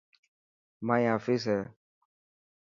مائي آفيس هي.